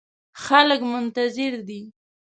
خلګ منتظر دي